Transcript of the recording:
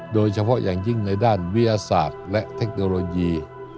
โดยเฉพาะอย่างยิ่งในด้านวิทยาศาสตร์และเทคโนโลยี